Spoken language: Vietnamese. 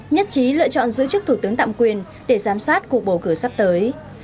nhất trí lựa chọn giữ chức thủ tướng tạm quyền để giám sát cuộc bầu cử sắp tới